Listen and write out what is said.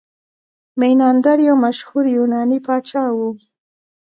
میناندر یو مشهور یوناني پاچا و